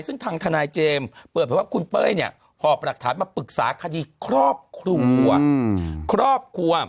ซึ่งทางทนายเจมส์เปิดไปว่าคุณเป้ยพอปรักฐานมาปรึกษาคดีครอบครัว